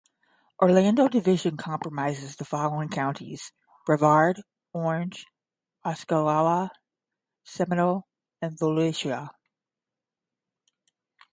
Orlando Division comprises the following counties: Brevard, Orange, Osceola, Seminole, and Volusia.